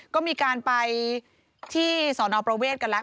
ก็มีการไปที่สอนอประเวทกันแล้ว